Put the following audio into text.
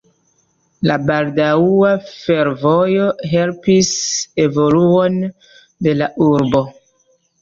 La baldaŭa fervojo helpis evoluon de la urbo.